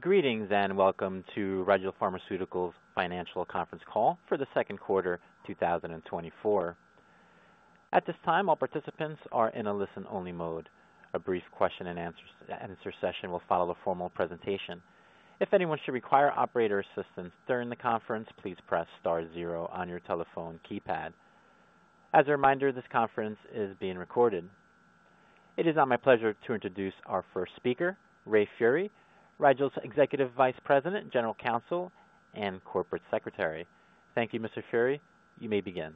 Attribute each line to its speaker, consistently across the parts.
Speaker 1: Greetings, and welcome to Rigel Pharmaceuticals Financial Conference Call for the second quarter 2024. At this time, all participants are in a listen-only mode. A brief question-and-answer session will follow the formal presentation. If anyone should require operator assistance during the conference, please press star zero on your telephone keypad. As a reminder, this conference is being recorded. It is now my pleasure to introduce our first speaker, Ray Furey, Rigel's Executive Vice President, General Counsel, and Corporate Secretary. Thank you, Mr. Furey. You may begin.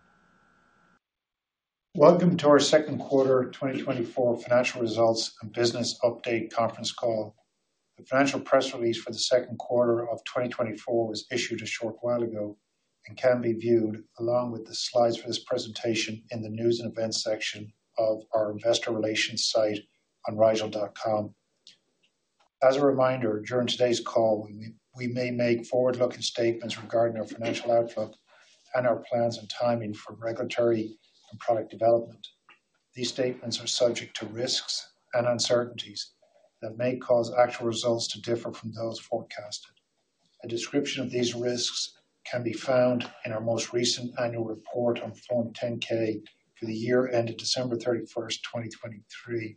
Speaker 2: Welcome to our second quarter 2024 financial results and business update conference call. The financial press release for the second quarter of 2024 was issued a short while ago and can be viewed along with the slides for this presentation in the News and Events section of our investor relations site on rigel.com. As a reminder, during today's call, we may make forward-looking statements regarding our financial outlook and our plans and timing for regulatory and product development. These statements are subject to risks and uncertainties that may cause actual results to differ from those forecasted. A description of these risks can be found in our most recent annual report on Form 10-K for the year ended December 31, 2023,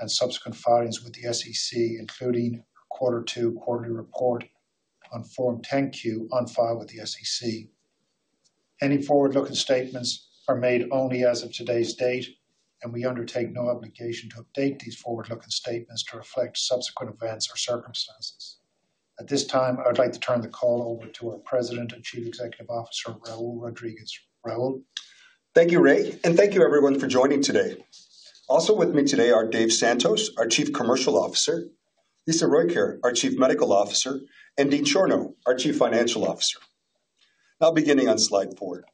Speaker 2: and subsequent filings with the SEC, including quarter two quarterly report on Form 10-Q on file with the SEC. Any forward-looking statements are made only as of today's date, and we undertake no obligation to update these forward-looking statements to reflect subsequent events or circumstances. At this time, I'd like to turn the call over to our President and Chief Executive Officer, Raul Rodriguez. Raul?
Speaker 3: Thank you, Ray, and thank you everyone for joining today. Also with me today are Dave Santos, our Chief Commercial Officer, Lisa Rojkjaer, our Chief Medical Officer, and Dean Schorno, our Chief Financial Officer. Now, beginning on slide four.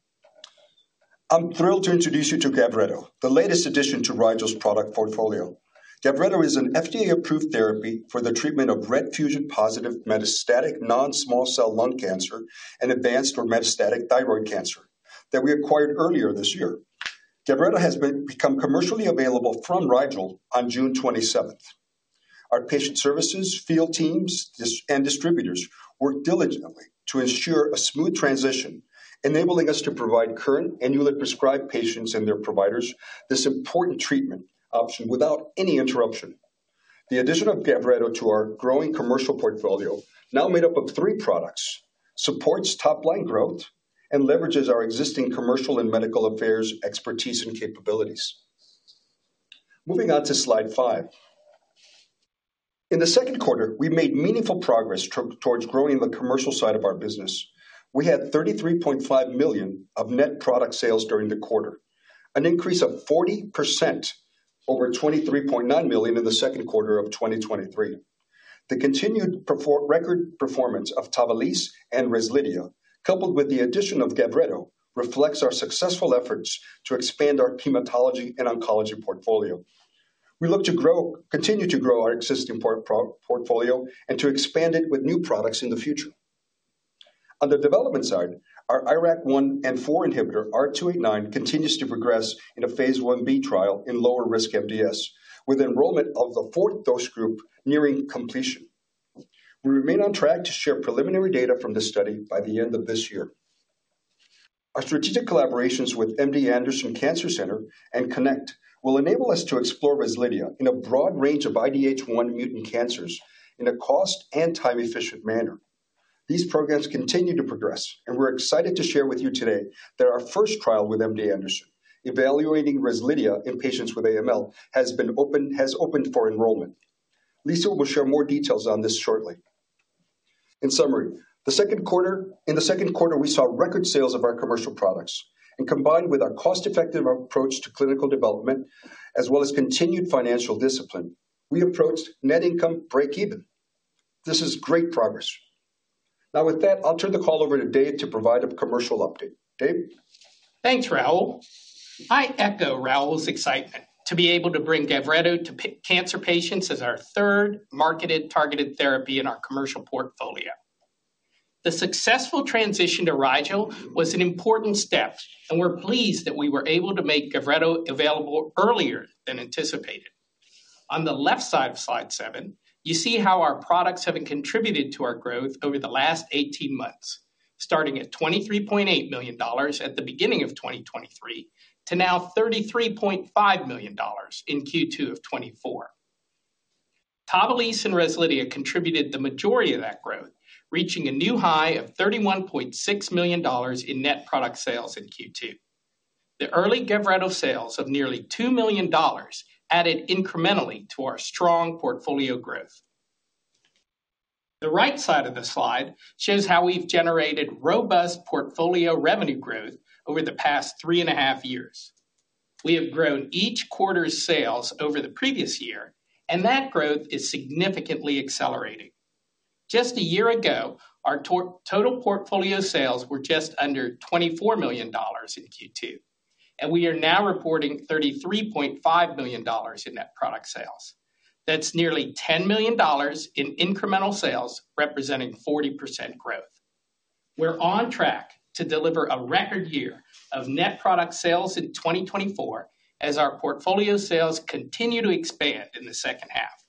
Speaker 3: I'm thrilled to introduce you to Gavreto, the latest addition to Rigel's product portfolio. Gavreto is an FDA-approved therapy for the treatment of RET fusion-positive metastatic non-small cell lung cancer and advanced or metastatic thyroid cancer that we acquired earlier this year. Gavreto has become commercially available from Rigel on June 27. Our patient services, field teams, distribution and distributors worked diligently to ensure a smooth transition, enabling us to provide current and newly prescribed patients and their providers this important treatment option without any interruption. The addition of Gavreto to our growing commercial portfolio, now made up of 3 products, supports top-line growth and leverages our existing commercial and medical affairs expertise and capabilities. Moving on to slide five. In the second quarter, we made meaningful progress towards growing the commercial side of our business. We had $33.5 million of net product sales during the quarter, an increase of 40% over $23.9 million in the second quarter of 2023. The continued record performance of Tavalisse and Rezlidhia, coupled with the addition of Gavreto, reflects our successful efforts to expand our hematology and oncology portfolio. We look to continue to grow our existing portfolio and to expand it with new products in the future. On the development side, our IRAK1 and 4 inhibitor, R289, continues to progress in phase I-B trial in lower-risk MDS, with enrollment of the fourth dose group nearing completion. We remain on track to share preliminary data from this study by the end of this year. Our strategic collaborations with MD Anderson Cancer Center and CONNECT will enable us to explore Rezlidhia in a broad range of IDH1 mutant cancers in a cost and time-efficient manner. These programs continue to progress, and we're excited to share with you today that our first trial with MD Anderson, evaluating Rezlidhia in patients with AML, has opened for enrollment. Lisa will share more details on this shortly. In summary, in the second quarter, we saw record sales of our commercial products, and combined with our cost-effective approach to clinical development, as well as continued financial discipline, we approached net income break even. This is great progress. Now, with that, I'll turn the call over to Dave to provide a commercial update. Dave?
Speaker 4: Thanks, Raul. I echo Raul's excitement to be able to bring Gavreto to RET-positive cancer patients as our third marketed targeted therapy in our commercial portfolio. The successful transition to Rigel was an important step, and we're pleased that we were able to make Gavreto available earlier than anticipated. On the left side of slide seven, you see how our products have been contributed to our growth over the last 18 months, starting at $23.8 million at the beginning of 2023, to now $33.5 million in Q2 of 2024. Tavalisse and Rezlidhia contributed the majority of that growth, reaching a new high of $31.6 million in net product sales in Q2. The early Gavreto sales of nearly $2 million added incrementally to our strong portfolio growth. The right side of the slide shows how we've generated robust portfolio revenue growth over the past 3.5 years. We have grown each quarter's sales over the previous year, and that growth is significantly accelerating. Just a year ago, our total portfolio sales were just under $24 million in Q2, and we are now reporting $33.5 million in net product sales. That's nearly $10 million in incremental sales, representing 40% growth. We're on track to deliver a record year of net product sales in 2024 as our portfolio sales continue to expand in the second half.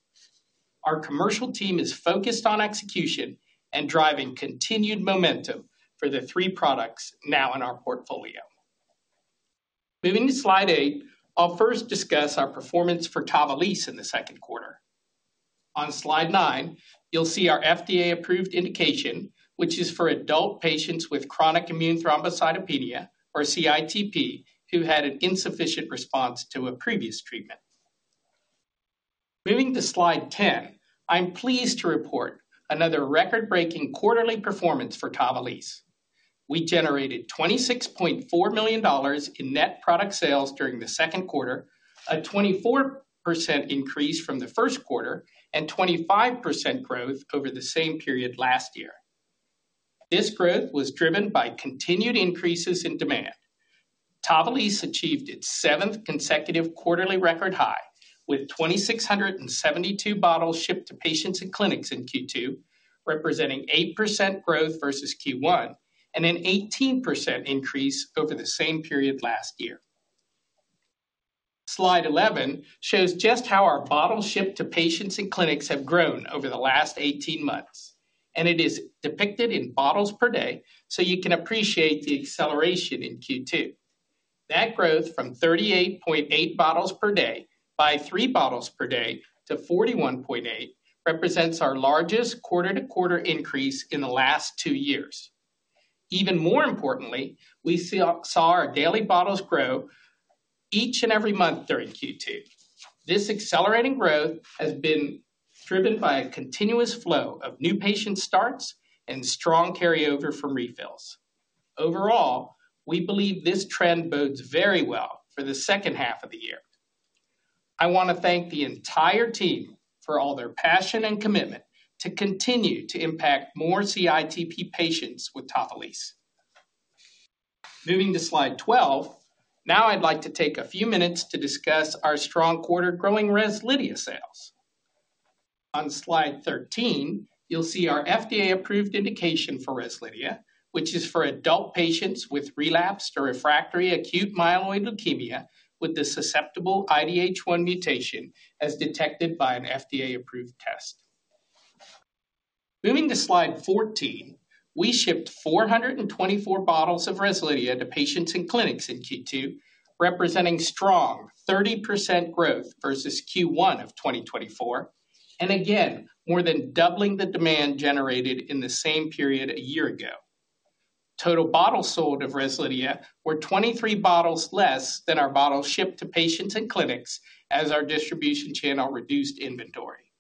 Speaker 4: Our commercial team is focused on execution and driving continued momentum for the 3 products now in our portfolio. Moving to slide eight, I'll first discuss our performance for Tavalisse in the second quarter. On slide nine, you'll see our FDA-approved indication, which is for adult patients with chronic immune thrombocytopenia, or CITP, who had an insufficient response to a previous treatment. Moving to slide 10, I'm pleased to report another record-breaking quarterly performance for Tavalisse. We generated $26.4 million in net product sales during the second quarter, a 24% increase from the first quarter, and 25% growth over the same period last year. This growth was driven by continued increases in demand. Tavalisse achieved its seventh consecutive quarterly record high, with 2,672 bottles shipped to patients and clinics in Q2, representing 8% growth versus Q1, and an 18% increase over the same period last year. Slide 11 shows just how our bottles shipped to patients and clinics have grown over the last 18 months, and it is depicted in bottles per day, so you can appreciate the acceleration in Q2. That growth from 38.8 bottles per day by three bottles per day to 41.8, represents our largest quarter-to-quarter increase in the last two years. Even more importantly, we saw our daily bottles grow each and every month during Q2. This accelerating growth has been driven by a continuous flow of new patient starts and strong carryover from refills. Overall, we believe this trend bodes very well for the second half of the year. I want to thank the entire team for all their passion and commitment to continue to impact more CITP patients with Tavalisse. Moving to slide 12. Now, I'd like to take a few minutes to discuss our strong quarter growing Rezlidhia sales. On slide 13, you'll see our FDA-approved indication for Rezlidhia, which is for adult patients with relapsed or refractory acute myeloid leukemia, with the susceptible IDH1 mutation as detected by an FDA-approved test. Moving to slide 14, we shipped 424 bottles of Rezlidhia to patients in clinics in Q2, representing strong 30% growth versus Q1 of 2024, and again, more than doubling the demand generated in the same period a year ago. Total bottles sold of Rezlidhia were 23 bottles less than our bottles shipped to patients and clinics as our distribution channel reduced inventory.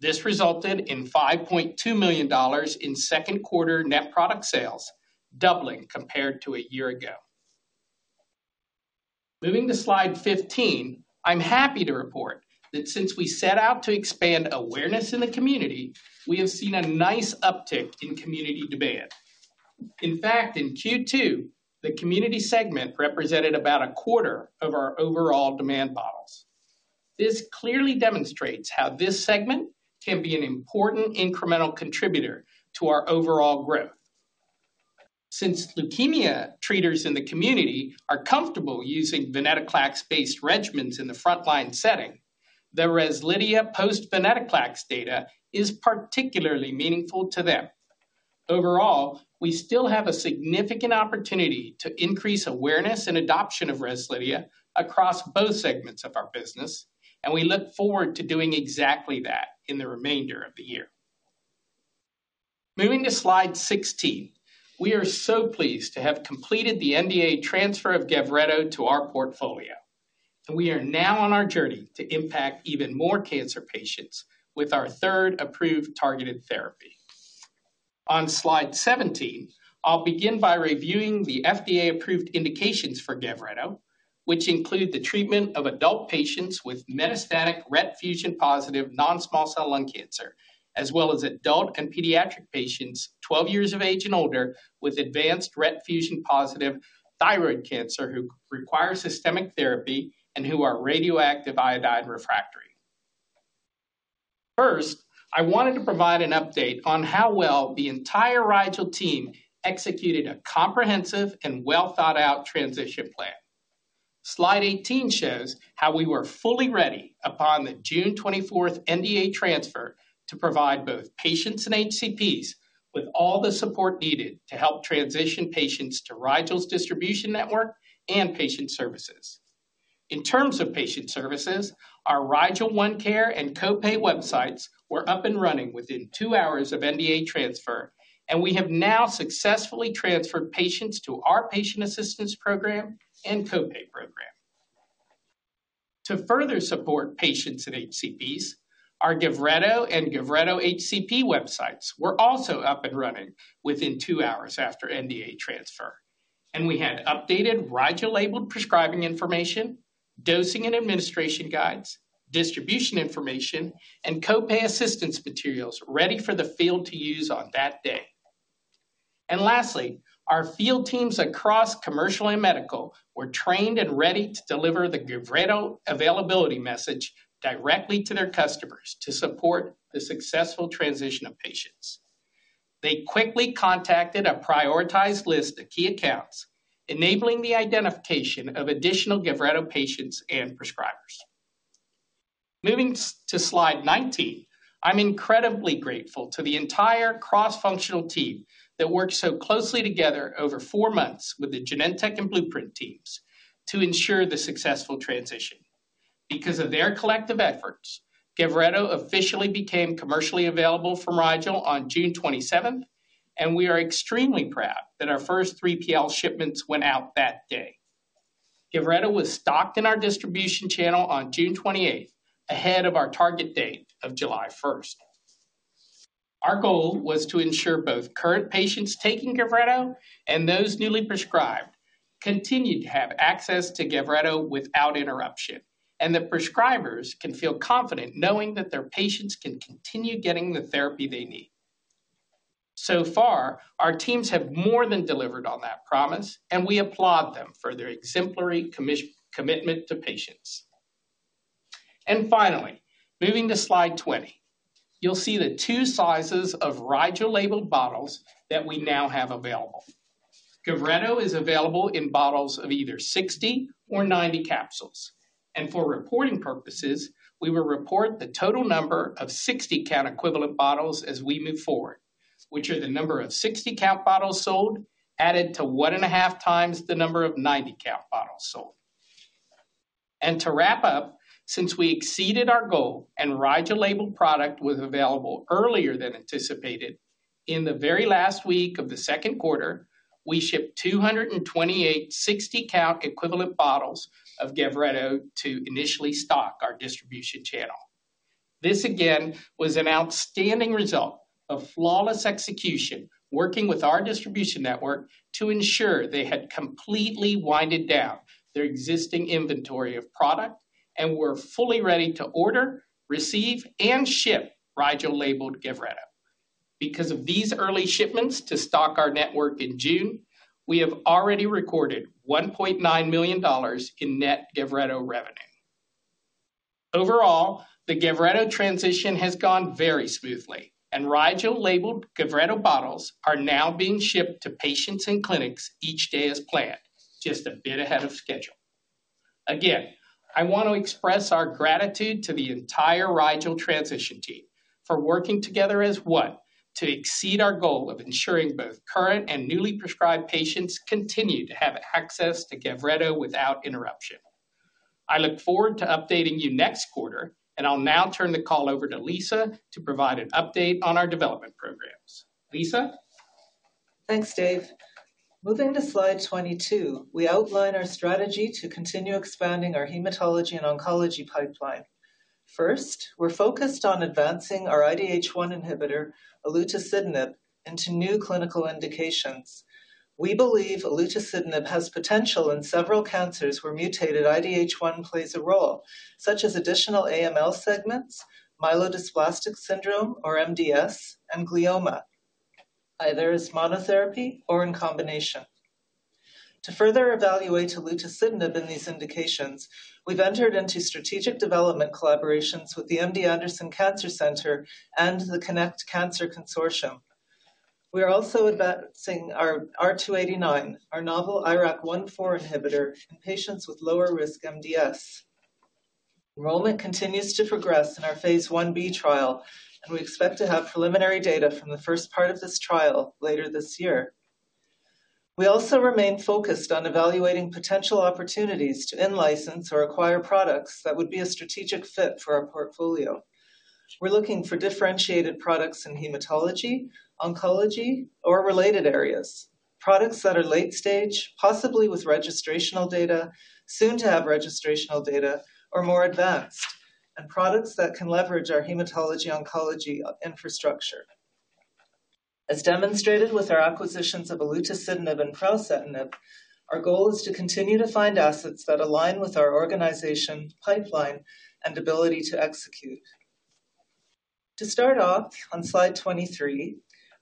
Speaker 4: This resulted in $5.2 million in second quarter net product sales, doubling compared to a year ago. Moving to slide 15, I'm happy to report that since we set out to expand awareness in the community, we have seen a nice uptick in community demand. In fact, in Q2, the community segment represented about a quarter of our overall demand bottles. This clearly demonstrates how this segment can be an important incremental contributor to our overall growth. Since leukemia treaters in the community are comfortable using venetoclax-based regimens in the frontline setting, the Rezlidhia post-Venetoclax data is particularly meaningful to them. Overall, we still have a significant opportunity to increase awareness and adoption of Rezlidhia across both segments of our business, and we look forward to doing exactly that in the remainder of the year. Moving to slide 16, we are so pleased to have completed the NDA transfer of Gavreto to our portfolio, and we are now on our journey to impact even more cancer patients with our third approved targeted therapy. On slide 17, I'll begin by reviewing the FDA-approved indications for Gavreto, which include the treatment of adult patients with metastatic RET fusion-positive non-small cell lung cancer, as well as adult and pediatric patients 12 years of age and older with advanced RET fusion-positive thyroid cancer, who require systemic therapy and who are radioactive iodine refractory. First, I wanted to provide an update on how well the entire Rigel team executed a comprehensive and well-thought-out transition plan. Slide 18 shows how we were fully ready upon the June 24th NDA transfer to provide both patients and HCPs with all the support needed to help transition patients to Rigel's distribution network and patient services. In terms of patient services, our Rigel ONECare and copay websites were up and running within 2 hours of NDA transfer, and we have now successfully transferred patients to our patient assistance program and copay program. To further support patients and HCPs, our Gavreto and Gavreto HCP websites were also up and running within 2 hours after NDA transfer, and we had updated Rigel-labeled prescribing information, dosing and administration guides, distribution information, and copay assistance materials ready for the field to use on that day. Lastly, our field teams across commercial and medical were trained and ready to deliver the Gavreto availability message directly to their customers to support the successful transition of patients. They quickly contacted a prioritized list of key accounts, enabling the identification of additional Gavreto patients and prescribers. Moving to slide 19, I'm incredibly grateful to the entire cross-functional team that worked so closely together over four months with the Genentech and Blueprint teams to ensure the successful transition. Because of their collective efforts, Gavreto officially became commercially available from Rigel on June 27th, and we are extremely proud that our first 3PL shipments went out that day. Gavreto was stocked in our distribution channel on June 28th, ahead of our target date of July 1st. Our goal was to ensure both current patients taking Gavreto and those newly prescribed continued to have access to Gavreto without interruption, and that prescribers can feel confident knowing that their patients can continue getting the therapy they need. So far, our teams have more than delivered on that promise, and we applaud them for their exemplary commitment to patients. Finally, moving to slide 20, you'll see the two sizes of Rigel-labeled bottles that we now have available. Gavreto is available in bottles of either 60 or 90 capsules, and for reporting purposes, we will report the total number of 60-count equivalent bottles as we move forward, which are the number of 60-count bottles sold, added to 1.5 times the number of 90-count bottles sold. To wrap up, since we exceeded our goal and Rigel-labeled product was available earlier than anticipated, in the very last week of the second quarter, we shipped 228 60-count equivalent bottles of Gavreto to initially stock our distribution channel. This, again, was an outstanding result of flawless execution, working with our distribution network to ensure they had completely wound down their existing inventory of product and were fully ready to order, receive, and ship Rigel-labeled Gavreto. Because of these early shipments to stock our network in June, we have already recorded $1.9 million in net Gavreto revenue. Overall, the Gavreto transition has gone very smoothly, and Rigel-labeled Gavreto bottles are now being shipped to patients and clinics each day as planned, just a bit ahead of schedule. Again, I want to express our gratitude to the entire Rigel transition team for working together as one to exceed our goal of ensuring both current and newly prescribed patients continue to have access to Gavreto without interruption. I look forward to updating you next quarter, and I'll now turn the call over to Lisa to provide an update on our development programs. Lisa?
Speaker 5: Thanks, Dave. Moving to slide 22, we outline our strategy to continue expanding our hematology and oncology pipeline. First, we're focused on advancing our IDH1 inhibitor, olutasidenib, into new clinical indications. We believe olutasidenib has potential in several cancers where mutated IDH1 plays a role, such as additional AML segments, myelodysplastic syndrome, or MDS, and glioma, either as monotherapy or in combination. To further evaluate olutasidenib in these indications, we've entered into strategic development collaborations with the MD Anderson Cancer Center and the CONNECT Cancer Consortium. We are also advancing our R289, our novel IRAK1/4 inhibitor, in patients with lower risk MDS. Enrollment continues to progress in phase I-B trial, and we expect to have preliminary data from the first part of this trial later this year. We also remain focused on evaluating potential opportunities to in-license or acquire products that would be a strategic fit for our portfolio. We're looking for differentiated products in hematology, oncology, and, or related areas, products that are late stage, possibly with registrational data, soon to have registrational data, or more advanced, and products that can leverage our hematology oncology infrastructure. As demonstrated with our acquisitions of olutasidenib and pralsetinib, our goal is to continue to find assets that align with our organization, pipeline, and ability to execute. To start off, on slide 23,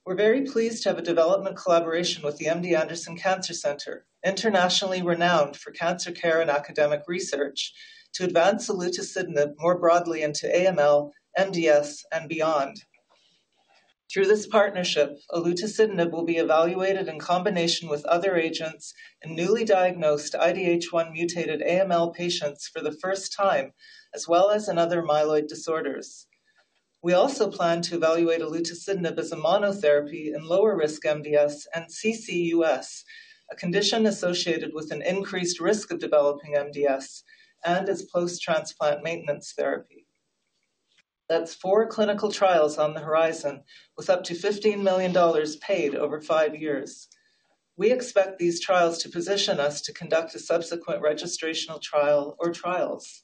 Speaker 5: we're very pleased to have a development collaboration with the MD Anderson Cancer Center, internationally renowned for cancer care and academic research, to advance olutasidenib more broadly into AML, MDS, and beyond. Through this partnership, olutasidenib will be evaluated in combination with other agents in newly diagnosed IDH1 mutated AML patients for the first time, as well as in other myeloid disorders. We also plan to evaluate olutasidenib as a monotherapy in lower risk MDS and CCUS, a condition associated with an increased risk of developing MDS and as post-transplant maintenance therapy. That's 4 clinical trials on the horizon, with up to $15 million paid over 5 years. We expect these trials to position us to conduct a subsequent registrational trial or trials.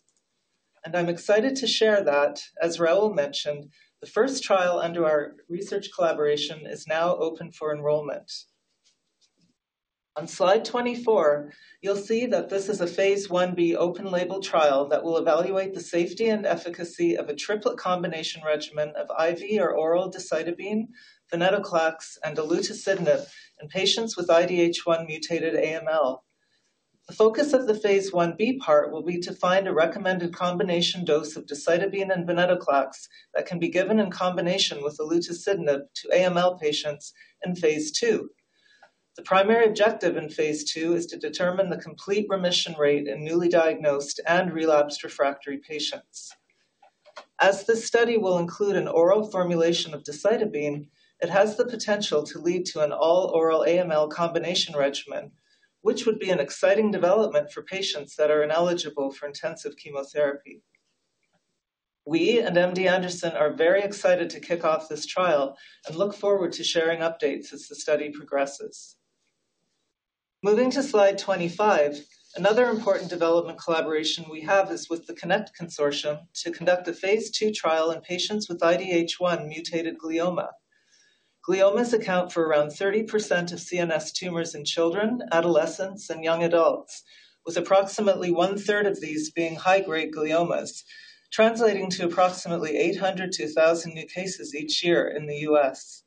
Speaker 5: I'm excited to share that, as Raul mentioned, the first trial under our research collaboration is now open for enrollment. On slide 24, you'll see that this is a phase I-B open-label trial that will evaluate the safety and efficacy of a triplet combination regimen of IV or oral decitabine, venetoclax, and olutasidenib in patients with IDH1 mutated AML. The focus of phase I-B part will be to find a recommended combination dose of decitabine and venetoclax that can be given in combination with olutasidenib to AML patients in phase II. The primary objective in phase II is to determine the complete remission rate in newly diagnosed and relapsed refractory patients. As this study will include an oral formulation of decitabine, it has the potential to lead to an all-oral AML combination regimen, which would be an exciting development for patients that are ineligible for intensive chemotherapy. We and MD Anderson are very excited to kick off this trial and look forward to sharing updates as the study progresses. Moving to slide 25, another important development collaboration we have is with the CONNECT Consortium to conduct a phase II trial in patients with IDH1-mutated glioma. Gliomas account for around 30% of CNS tumors in children, adolescents, and young adults, with approximately one-third of these being high-grade gliomas, translating to approximately 800-1,000 new cases each year in the U.S.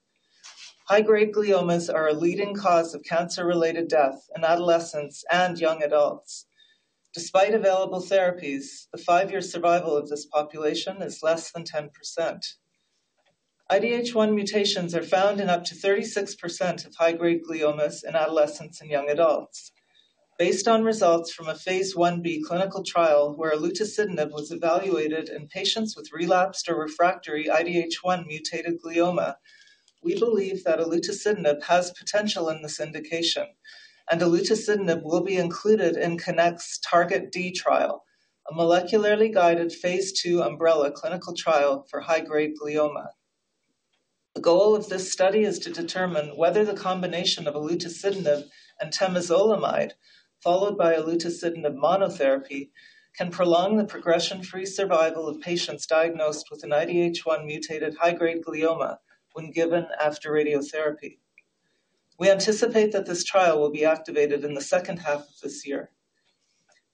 Speaker 5: High-grade gliomas are a leading cause of cancer-related death in adolescents and young adults. Despite available therapies, the five-year survival of this population is less than 10%. IDH1 mutations are found in up to 36% of high-grade gliomas in adolescents and young adults. Based on results from phase I-B clinical trial, where olutasidenib was evaluated in patients with relapsed or refractory IDH1-mutated glioma, we believe that olutasidenib has potential in this indication, and olutasidenib will be included in CONNECT's TARGET-D trial, a molecularly guided phase II umbrella clinical trial for high-grade glioma. The goal of this study is to determine whether the combination of olutasidenib and temozolomide, followed by olutasidenib monotherapy, can prolong the progression-free survival of patients diagnosed with an IDH1-mutated high-grade glioma when given after radiotherapy. We anticipate that this trial will be activated in the second half of this year.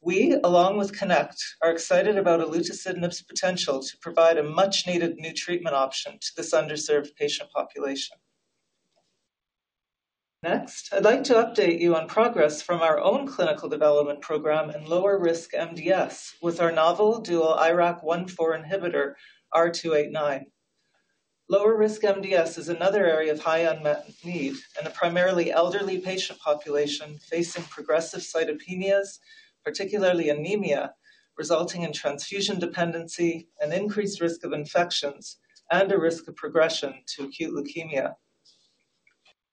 Speaker 5: We, along with CONNECT, are excited about olutasidenib's potential to provide a much-needed new treatment option to this underserved patient population. Next, I'd like to update you on progress from our own clinical development program in lower-risk MDS with our novel dual IRAK1/4 inhibitor, R289. Lower-risk MDS is another area of high unmet need in a primarily elderly patient population facing progressive cytopenias, particularly anemia, resulting in transfusion dependency and increased risk of infections and a risk of progression to acute leukemia.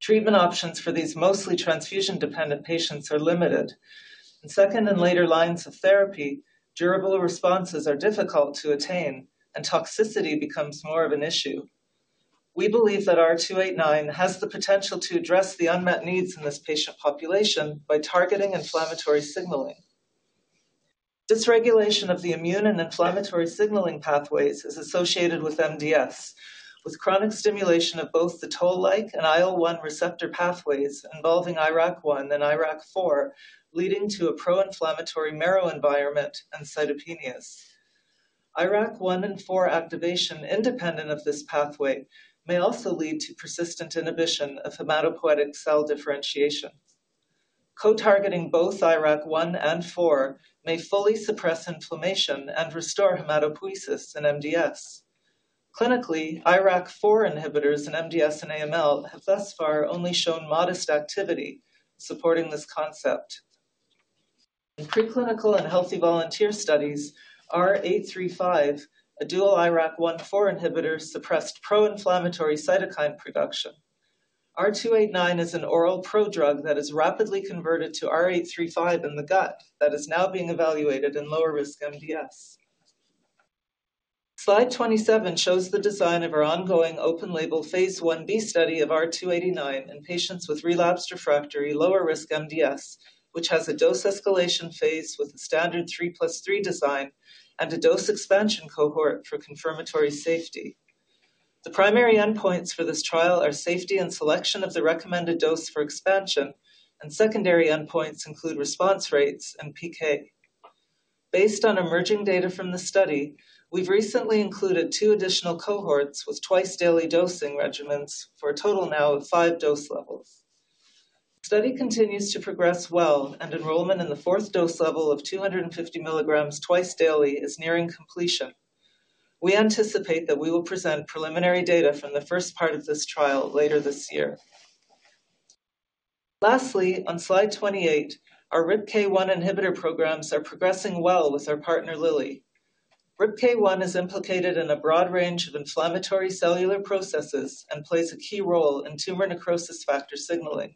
Speaker 5: Treatment options for these mostly transfusion-dependent patients are limited. In second and later lines of therapy, durable responses are difficult to attain, and toxicity becomes more of an issue. We believe that R289 has the potential to address the unmet needs in this patient population by targeting inflammatory signaling. Dysregulation of the immune and inflammatory signaling pathways is associated with MDS, with chronic stimulation of both the Toll-like and IL-1 receptor pathways involving IRAK1 and IRAK4, leading to a pro-inflammatory marrow environment and cytopenias. IRAK1 and 4 activation independent of this pathway may also lead to persistent inhibition of hematopoietic cell differentiation. Co-targeting both IRAK1 and 4 may fully suppress inflammation and restore hematopoiesis in MDS. Clinically, IRAK4 inhibitors in MDS and AML have thus far only shown modest activity supporting this concept. In preclinical and healthy volunteer studies, R835, a dual IRAK1/4 inhibitor, suppressed pro-inflammatory cytokine production. R289 is an oral prodrug that is rapidly converted to R835 in the gut that is now being evaluated in lower-risk MDS. Slide 27 shows the design of our ongoing phase I-B study of R289 in patients with relapsed/refractory lower-risk MDS, which has a dose escalation phase with a standard 3+3 design and a dose expansion cohort for confirmatory safety. The primary endpoints for this trial are safety and selection of the recommended dose for expansion, and secondary endpoints include response rates and PK. Based on emerging data from the study, we've recently included two additional cohorts with twice-daily dosing regimens for a total now of five dose levels. The study continues to progress well, and enrollment in the fourth dose level of 250 mg twice daily is nearing completion. We anticipate that we will present preliminary data from the first part of this trial later this year. Lastly, on slide 28, our RIPK1 inhibitor programs are progressing well with our partner, Lilly. RIPK1 is implicated in a broad range of inflammatory cellular processes and plays a key role in tumor necrosis factor signaling.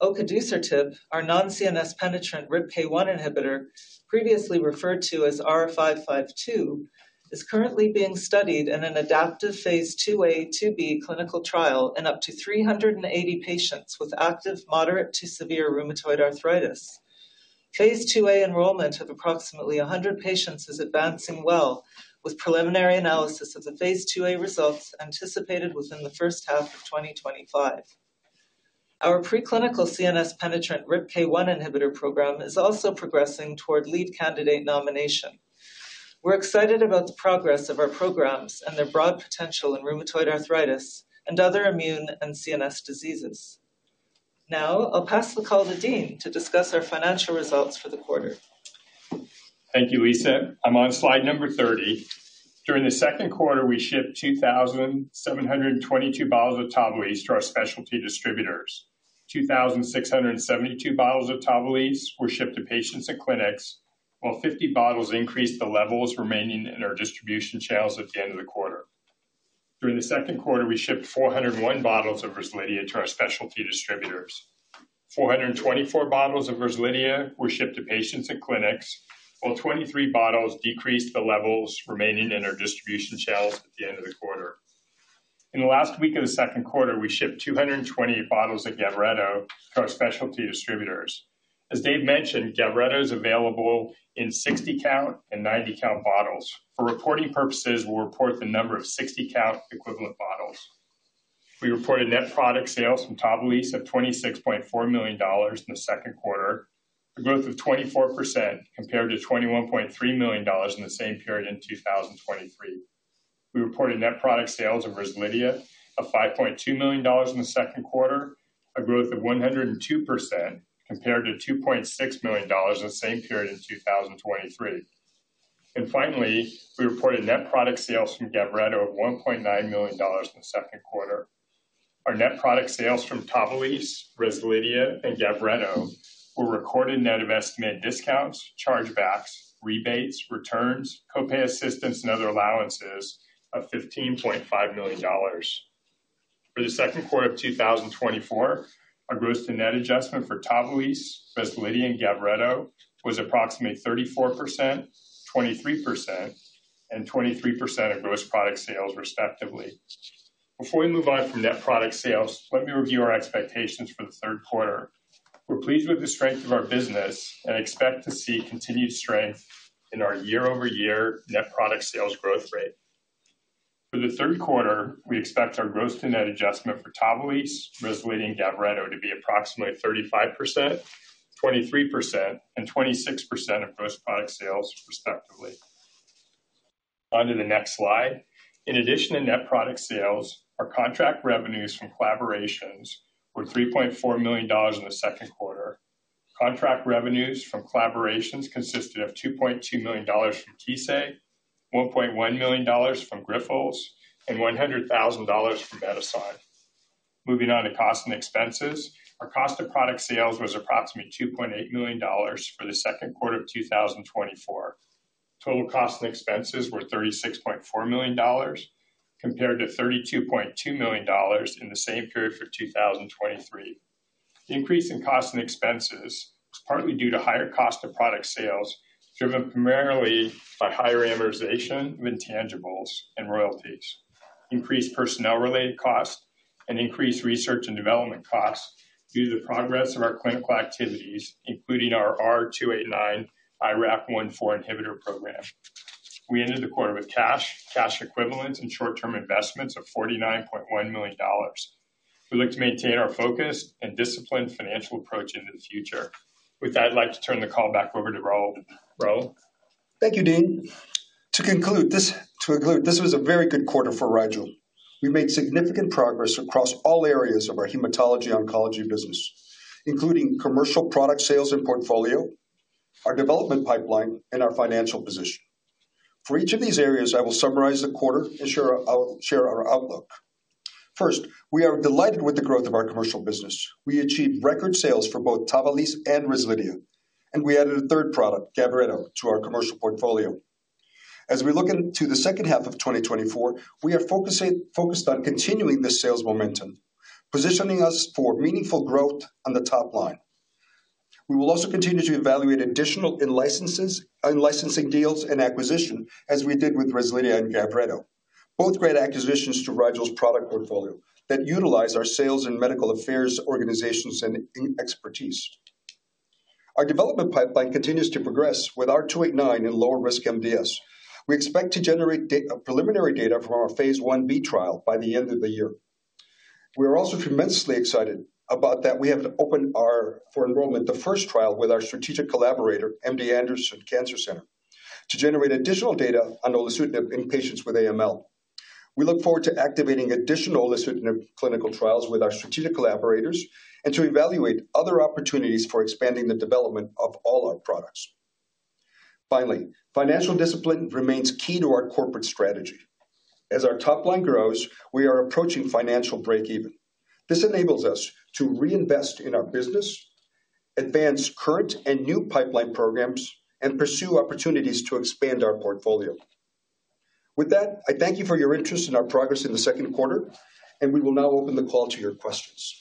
Speaker 5: olutasidenib, our non-CNS-penetrant RIPK1 inhibitor, previously referred to as R-552, is currently being studied in an adaptive phase II-A/II-B clinical trial in up to 380 patients with active, moderate to severe rheumatoid arthritis. phase II-A enrollment of approximately 100 patients is advancing well, with preliminary analysis of the phase II-A results anticipated within the first half of 2025. Our preclinical CNS-penetrant RIPK1 inhibitor program is also progressing toward lead candidate nomination. We're excited about the progress of our programs and their broad potential in rheumatoid arthritis and other immune and CNS diseases. Now, I'll pass the call to Dean to discuss our financial results for the quarter.
Speaker 6: Thank you, Lisa. I'm on slide number 30. During the second quarter, we shipped 2,722 bottles of Tavalisse to our specialty distributors. 2,672 bottles of Tavalisse were shipped to patients and clinics, while 50 bottles increased the levels remaining in our distribution channels at the end of the quarter. During the second quarter, we shipped 401 bottles of Rezlidhia to our specialty distributors. 424 bottles of Rezlidhia were shipped to patients and clinics, while 23 bottles decreased the levels remaining in our distribution channels at the end of the quarter. In the last week of the second quarter, we shipped 220 bottles of Gavreto to our specialty distributors. As Dave mentioned, Gavreto is available in 60-count and 90-count bottles. For reporting purposes, we'll report the number of 60-count equivalent bottles. We reported net product sales from Tavalisse of $26.4 million in the second quarter, a growth of 24% compared to $21.3 million in the same period in 2023. We reported net product sales of Rezlidhia of $5.2 million in the second quarter, a growth of 102% compared to $2.6 million in the same period in 2023. And finally, we reported net product sales from Gavreto of $1.9 million in the second quarter. Our net product sales from Tavalisse, Rezlidhia, and Gavreto were recorded net of estimate discounts, chargebacks, rebates, returns, co-pay assistance, and other allowances of $15.5 million. For the second quarter of 2024, our gross to net adjustment for Tavalisse, Rezlidhia, and Gavreto was approximately 34%, 23%, and 23% of gross product sales, respectively. Before we move on from net product sales, let me review our expectations for the third quarter. We're pleased with the strength of our business and expect to see continued strength in our year-over-year net product sales growth rate. For the third quarter, we expect our gross to net adjustment for Tavalisse, Rezlidhia, and Gavreto to be approximately 35%, 23%, and 26% of gross product sales, respectively. On to the next slide. In addition to net product sales, our contract revenues from collaborations were $3.4 million in the second quarter. Contract revenues from collaborations consisted of $2.2 million from Kissei, $1.1 million from Grifols, and $100,000 from Medison. Moving on to costs and expenses. Our cost of product sales was approximately $2.8 million for the second quarter of 2024. Total cost and expenses were $36.4 million, compared to $32.2 million in the same period for 2023. The increase in costs and expenses is partly due to higher cost of product sales, driven primarily by higher amortization of intangibles and royalties, increased personnel-related costs, and increased research and development costs due to the progress of our clinical activities, including our R289 IRAK1/4 inhibitor program. We ended the quarter with cash, cash equivalents, and short-term investments of $49.1 million. We look to maintain our focus and disciplined financial approach into the future. With that, I'd like to turn the call back over to Raul. Raul?
Speaker 3: Thank you, Dean. To conclude, this was a very good quarter for Rigel. We made significant progress across all areas of our Hematology Oncology business, including commercial product sales and portfolio, our development pipeline, and our financial position. For each of these areas, I will summarize the quarter and share our outlook. First, we are delighted with the growth of our commercial business. We achieved record sales for both Tavalisse and Rezlidhia, and we added a third product, Gavreto, to our commercial portfolio. As we look into the second half of 2024, we are focused on continuing this sales momentum, positioning us for meaningful growth on the top line. We will also continue to evaluate additional in-licenses, in-licensing deals and acquisition, as we did with Rezlidhia and Gavreto, both great acquisitions to Rigel's product portfolio that utilize our sales and medical affairs organizations and expertise. Our development pipeline continues to progress with R289 in lower-risk MDS. We expect to generate preliminary data from our phase I-B trial by the end of the year. We are also tremendously excited about that we have opened ours for enrollment, the first trial with our strategic collaborator, MD Anderson Cancer Center, to generate additional data on olutasidenib in patients with AML. We look forward to activating additional olutasidenib clinical trials with our strategic collaborators and to evaluate other opportunities for expanding the development of all our products. Finally, financial discipline remains key to our corporate strategy. As our top line grows, we are approaching financial break-even. This enables us to reinvest in our business, advance current and new pipeline programs, and pursue opportunities to expand our portfolio. With that, I thank you for your interest in our progress in the second quarter, and we will now open the call to your questions.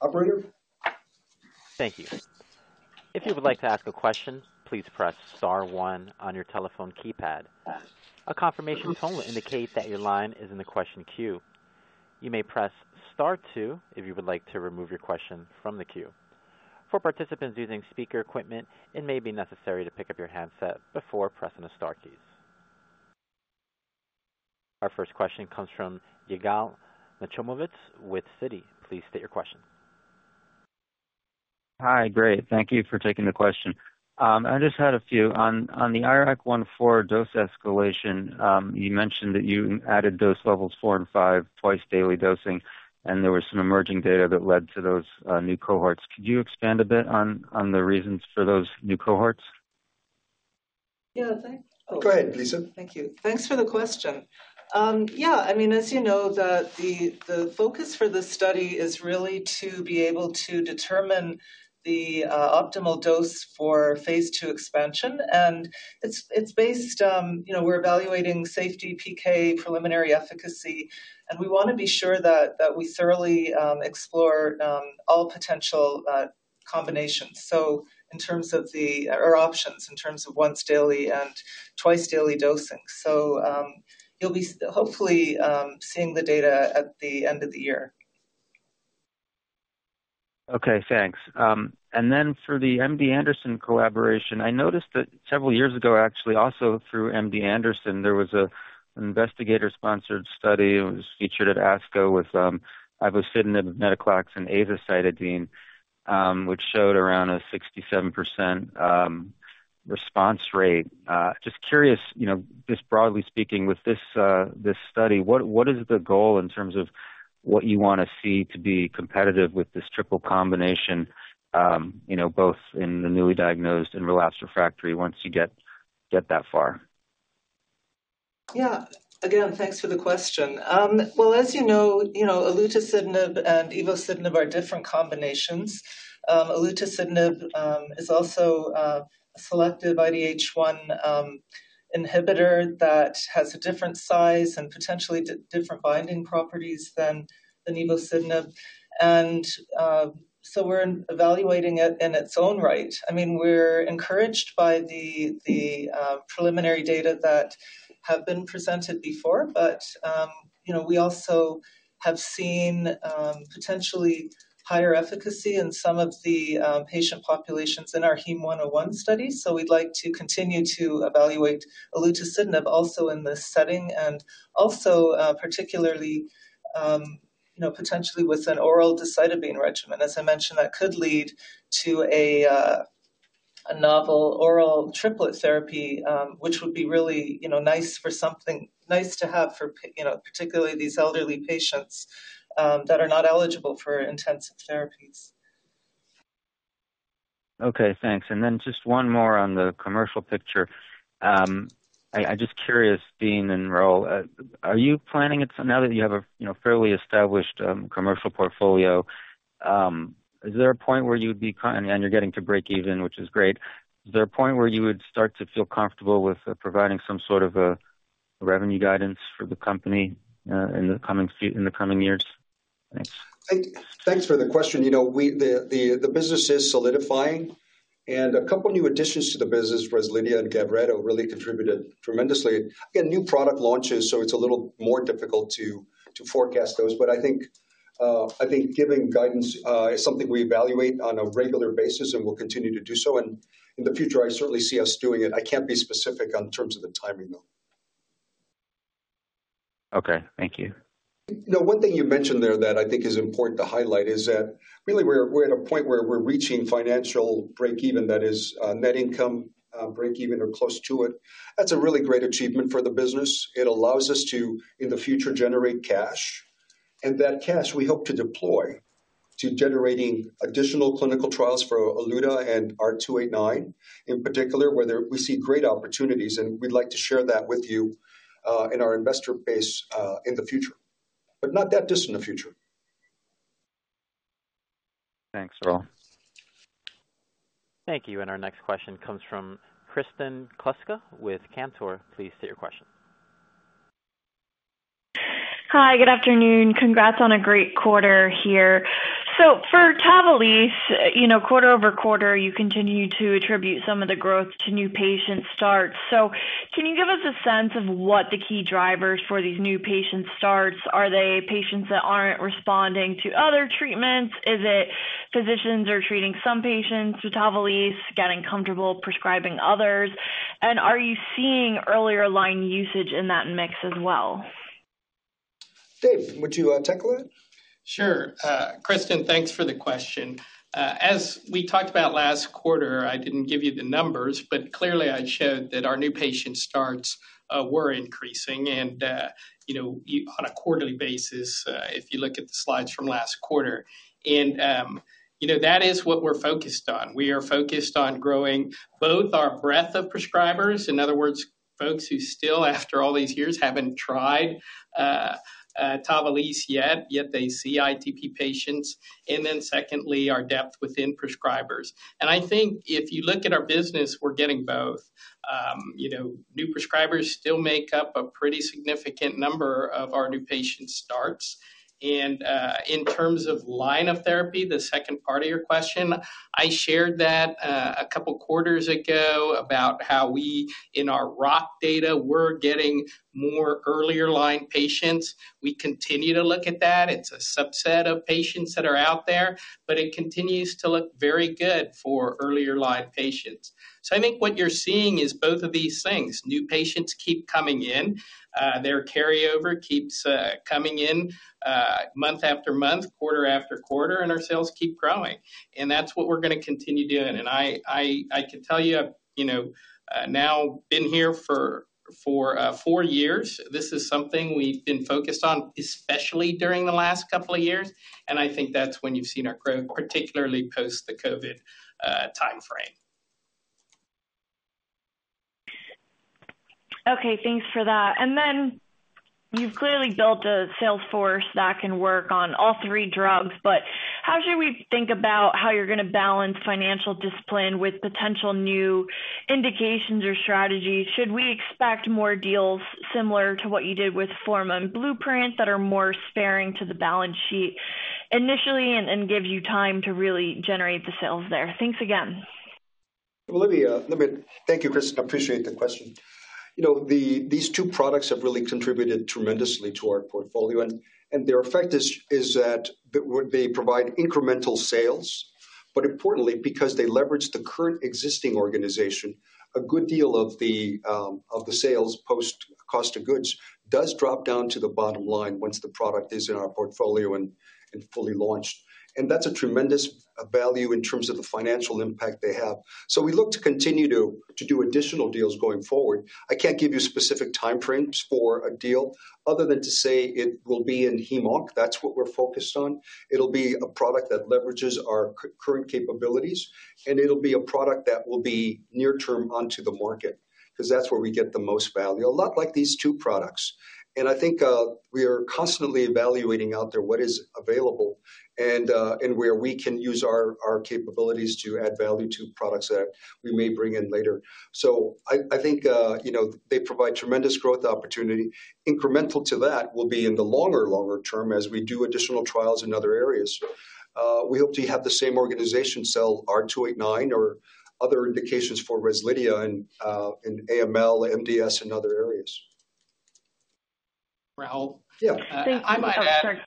Speaker 3: Operator?
Speaker 1: Thank you. If you would like to ask a question, please press star one on your telephone keypad. A confirmation tone will indicate that your line is in the question queue. You may press Star two if you would like to remove your question from the queue. For participants using speaker equipment, it may be necessary to pick up your handset before pressing the star keys.... Our first question comes from Yigal Nochomovitz with Citi. Please state your question.
Speaker 7: Hi, great. Thank you for taking the question. I just had a few. On, on the IRAK 1/4 dose escalation, you mentioned that you added dose levels four and five, twice-daily dosing, and there was some emerging data that led to those new cohorts. Could you expand a bit on, on the reasons for those new cohorts?
Speaker 5: Yeah, thank-
Speaker 3: Go ahead, Lisa.
Speaker 5: Thank you. Thanks for the question. Yeah, I mean, as you know, the focus for this study is really to be able to determine the optimal dose for phase II expansion. And it's based on, you know, we're evaluating safety, PK, preliminary efficacy, and we wanna be sure that we thoroughly explore all potential combinations. So in terms of the or options, in terms of once daily and twice-daily dosing. So, you'll be hopefully seeing the data at the end of the year.
Speaker 7: Okay, thanks. And then for the MD Anderson collaboration, I noticed that several years ago, actually, also through MD Anderson, there was an investigator-sponsored study. It was featured at ASCO with ivosidenib, venetoclax, and azacitidine, which showed around a 67% response rate. Just curious, you know, just broadly speaking, with this, this study, what, what is the goal in terms of what you wanna see to be competitive with this triple combination, you know, both in the newly diagnosed and relapsed refractory, once you get, get that far?
Speaker 5: Yeah. Again, thanks for the question. Well, as you know, you know, olutasidenib and ivosidenib are different combinations. Olutasidenib is also a selective IDH1 inhibitor that has a different size and potentially different binding properties than the ivosidenib. And so we're evaluating it in its own right. I mean, we're encouraged by the preliminary data that have been presented before, but you know, we also have seen potentially higher efficacy in some of the patient populations in our Heme 101 study. So we'd like to continue to evaluate olutasidenib also in this setting, and also particularly you know, potentially with an oral decitabine regimen. As I mentioned, that could lead to a novel oral triplet therapy, which would be really, you know, nice to have for, you know, particularly these elderly patients that are not eligible for intensive therapies.
Speaker 7: Okay, thanks. And then just one more on the commercial picture. I'm just curious, being in role, So now that you have a, you know, fairly established commercial portfolio, is there a point where you'd be comfortable and you're getting to break even, which is great. Is there a point where you would start to feel comfortable with providing some sort of a revenue guidance for the company in the coming years? Thanks.
Speaker 3: Thanks for the question. You know, the business is solidifying, and a couple of new additions to the business, Rezlidhia and Gavreto, really contributed tremendously. Again, new product launches, so it's a little more difficult to forecast those. But I think, I think giving guidance is something we evaluate on a regular basis and will continue to do so. And in the future, I certainly see us doing it. I can't be specific on terms of the timing, though.
Speaker 7: Okay, thank you.
Speaker 3: You know, one thing you mentioned there that I think is important to highlight is that really we're, we're at a point where we're reaching financial break even, that is, net income, break even or close to it. That's a really great achievement for the business. It allows us to, in the future, generate cash, and that cash we hope to deploy to generating additional clinical trials for Oluta and R289, in particular, where there we see great opportunities, and we'd like to share that with you, in our investor base, in the future, but not that distant in the future.
Speaker 7: Thanks, Raul.
Speaker 1: Thank you. Our next question comes from Kristen Kluska with Cantor. Please state your question.
Speaker 8: Hi, good afternoon. Congrats on a great quarter here. So for Tavalisse, you know, quarter-over-quarter, you continue to attribute some of the growth to new patient starts. So can you give us a sense of what the key drivers for these new patient starts? Are they patients that aren't responding to other treatments? Is it physicians are treating some patients with Tavalisse, getting comfortable prescribing others? And are you seeing earlier line usage in that mix as well?
Speaker 3: Dave, would you tackle that?
Speaker 4: Sure. Kristen, thanks for the question. As we talked about last quarter, I didn't give you the numbers, but clearly I showed that our new patient starts were increasing and, you know, on a quarterly basis, if you look at the slides from last quarter. You know, that is what we're focused on. We are focused on growing both our breadth of prescribers, in other words, folks who still, after all these years, haven't tried Tavalisse yet, yet they see ITP patients, and then secondly, our depth within prescribers. I think if you look at our business, we're getting both. You know, new prescribers still make up a pretty significant number of our new patient starts. In terms of line of therapy, the second part of your question, I shared that a couple of quarters ago about how we, in our Rx data, we're getting more earlier line patients. We continue to look at that. It's a subset of patients that are out there, but it continues to look very good for earlier line patients. So I think what you're seeing is both of these things. New patients keep coming in, their carryover keeps coming in month after month, quarter after quarter, and our sales keep growing. And that's what we're gonna continue doing. I can tell you, you know, now been here for four years. This is something we've been focused on, especially during the last couple of years, and I think that's when you've seen our growth, particularly post the COVID timeframe....
Speaker 8: Okay, thanks for that. And then you've clearly built a sales force that can work on all three drugs, but how should we think about how you're gonna balance financial discipline with potential new indications or strategies? Should we expect more deals similar to what you did with Forma and Blueprint that are more sparing to the balance sheet initially and, and give you time to really generate the sales there? Thanks again.
Speaker 3: Well, let me thank you, Kristen. I appreciate the question. You know, the, these two products have really contributed tremendously to our portfolio, and, and their effect is, is that they would be provide incremental sales, but importantly, because they leverage the current existing organization, a good deal of the, of the sales post cost of goods does drop down to the bottom line once the product is in our portfolio and, and fully launched. And that's a tremendous value in terms of the financial impact they have. So we look to continue to, to do additional deals going forward. I can't give you specific timeframes for a deal other than to say it will be in Hem-Onc. That's what we're focused on. It'll be a product that leverages our current capabilities, and it'll be a product that will be near term onto the market, 'cause that's where we get the most value, a lot like these two products. And I think, we are constantly evaluating out there what is available and, and where we can use our, our capabilities to add value to products that we may bring in later. So I think, you know, they provide tremendous growth opportunity. Incremental to that will be in the longer, longer term as we do additional trials in other areas. We hope to have the same organization sell R289 or other indications for Rezlidhia and, in AML, MDS, and other areas.
Speaker 4: Raul?
Speaker 3: Yeah.
Speaker 4: I might add-
Speaker 8: Thank you.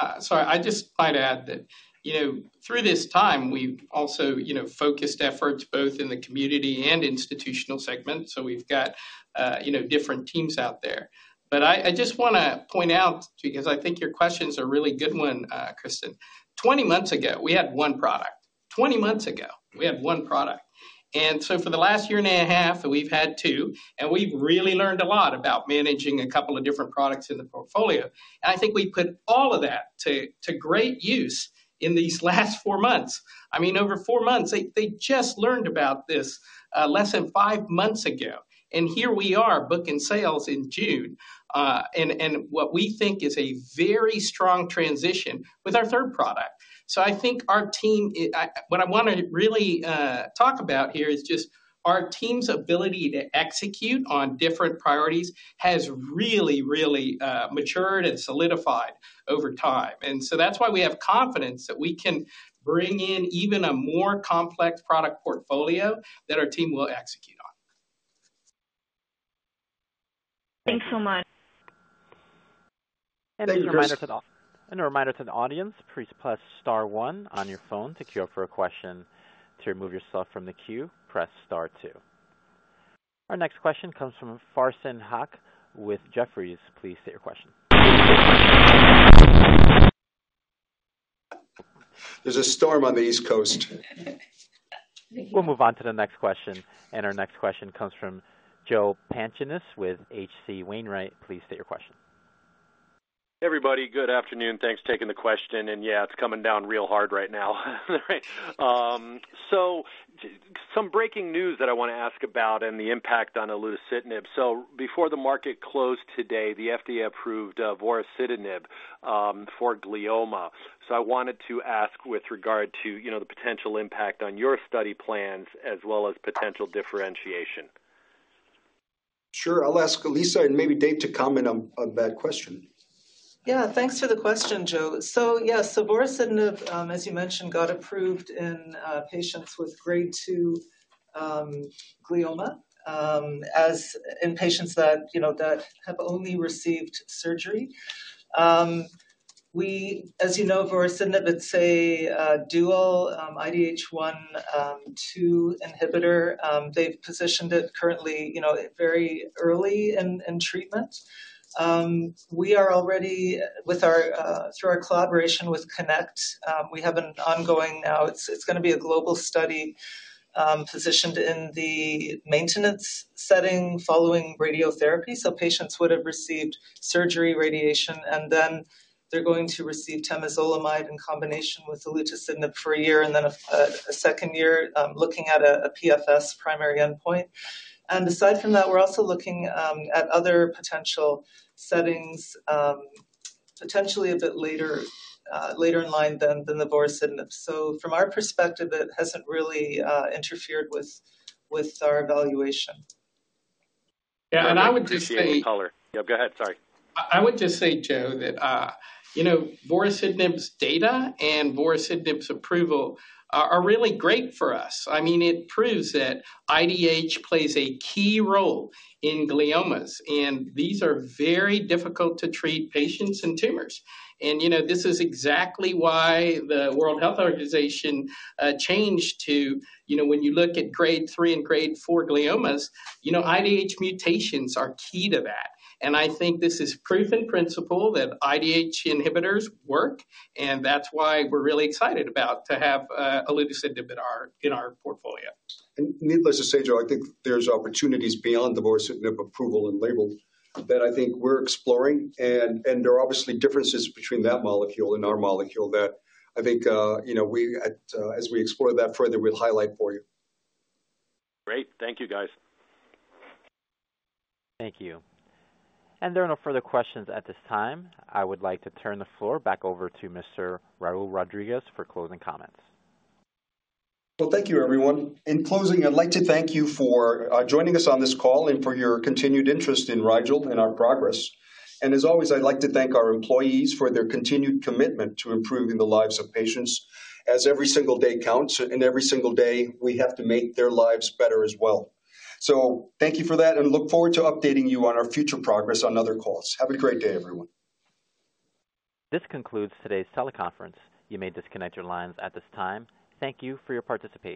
Speaker 8: Oh, sorry.
Speaker 4: Sorry. I just might add that, you know, through this time, we've also, you know, focused efforts both in the community and institutional segment, so we've got, you know, different teams out there. But I just wanna point out, because I think your question's a really good one, Kristen. 20 months ago, we had one product. 20 months ago, we had one product. And so for the last year and a half, we've had two, and we've really learned a lot about managing a couple of different products in the portfolio, and I think we put all of that to great use in these last four months. I mean, over four months, they just learned about this less than five months ago, and here we are booking sales in June, and what we think is a very strong transition with our third product. So I think our team, what I wanna really talk about here is just our team's ability to execute on different priorities has really, really matured and solidified over time. And so that's why we have confidence that we can bring in even a more complex product portfolio that our team will execute on.
Speaker 8: Thanks so much.
Speaker 3: Thank you.
Speaker 1: And a reminder to the audience, please press star one on your phone to queue up for a question. To remove yourself from the queue, press star two. Our next question comes from Farzin Haque with Jefferies. Please state your question.
Speaker 3: There's a storm on the East Coast.
Speaker 1: We'll move on to the next question, and our next question comes from Joe Pantginis with H.C. Wainwright. Please state your question.
Speaker 9: Hey, everybody. Good afternoon. Thanks for taking the question, and yeah, it's coming down real hard right now. So some breaking news that I wanna ask about and the impact on Olutasidenib. So before the market closed today, the FDA approved vorasidenib for glioma. So I wanted to ask with regard to, you know, the potential impact on your study plans as well as potential differentiation.
Speaker 3: Sure. I'll ask Lisa and maybe Dave to comment on that question.
Speaker 5: Yeah, thanks for the question, Joe. So, yeah, so vorasidenib, as you mentioned, got approved in patients with Grade 2 glioma, as in patients that, you know, that have only received surgery. As you know, vorasidenib, it's a dual IDH1/2 inhibitor. They've positioned it currently, you know, very early in treatment. We are already, with our through our collaboration with CONNECT, we have an ongoing now, it's gonna be a global study, positioned in the maintenance setting following radiotherapy. So patients would have received surgery, radiation, and then they're going to receive temozolomide in combination with the olutasidenib for a year and then a second year, looking at a PFS primary endpoint. Aside from that, we're also looking at other potential settings, potentially a bit later, later in line than the vorasidenib. From our perspective, it hasn't really interfered with our evaluation.
Speaker 4: Yeah, and I would just say-
Speaker 9: I appreciate the color. Yeah, go ahead. Sorry.
Speaker 4: I would just say, Joe, that you know, vorasidenib's data and vorasidenib's approval are really great for us. I mean, it proves that IDH plays a key role in gliomas, and these are very difficult to treat patients and tumors. And you know, this is exactly why the World Health Organization changed to you know, when you look at Grade 3 and Grade 4 gliomas, you know, IDH mutations are key to that. And I think this is proof in principle that IDH inhibitors work, and that's why we're really excited about to have olutasidenib in our portfolio.
Speaker 3: Needless to say, Joe, I think there's opportunities beyond the vorasidenib approval and label that I think we're exploring, and there are obviously differences between that molecule and our molecule that I think, you know, we at, as we explore that further, we'll highlight for you.
Speaker 9: Great. Thank you, guys.
Speaker 1: Thank you. There are no further questions at this time. I would like to turn the floor back over to Mr. Raul Rodriguez for closing comments.
Speaker 3: Well, thank you, everyone. In closing, I'd like to thank you for joining us on this call and for your continued interest in Rigel and our progress. And as always, I'd like to thank our employees for their continued commitment to improving the lives of patients, as every single day counts, and every single day we have to make their lives better as well. So thank you for that, and look forward to updating you on our future progress on other calls. Have a great day, everyone.
Speaker 1: This concludes today's teleconference. You may disconnect your lines at this time. Thank you for your participation.